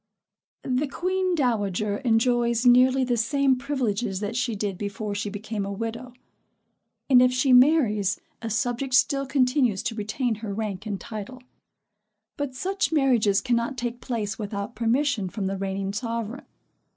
The queen dowager enjoys nearly the same privileges that she did before she became a widow; and if she marries a subject still continues to retain her rank and title; but such marriages cannot take place without permission from the reigning sovereign.